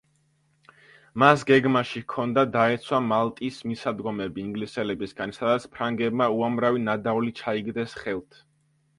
მას გეგმაში ჰქონდა დაეცვა მალტის მისადგომები ინგლისელებისგან, სადაც ფრანგებმა უამრავი ნადავლი ჩაიგდეს ხელთ.